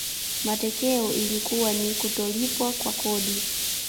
matokeo ilikuwa ni kutolipwa kwa kodi